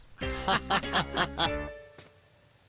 ハハハハハ。